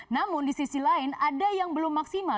namun di sisi lain ada yang belum maksimal